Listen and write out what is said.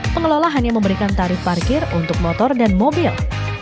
pengelola hanya memberikan tarif parkir untuk motor dan mobil